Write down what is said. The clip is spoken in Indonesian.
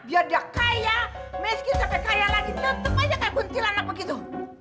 biar dia kaya miskin sampai kaya lagi tetap aja kayak kuntilanak begitu